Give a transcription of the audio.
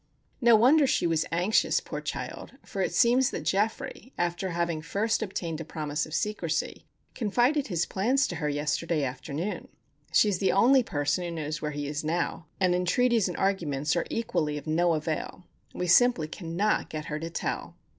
No wonder she was anxious, poor child; for it seems that Geoffrey, after having first obtained a promise of secrecy, confided his plans to her yesterday afternoon. She is the only person who knows where he is now, and entreaties and arguments are equally of no avail. We simply cannot get her to tell.